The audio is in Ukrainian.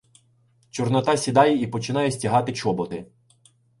Чорнота сідає і починає стягати чоботи.